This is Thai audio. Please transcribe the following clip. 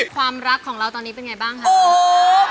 ความรักของเราตอนนี้เป็นไงบ้างครับ